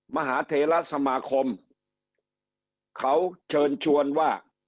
มหาเทราสมาคมเขาเชิญชวนว่า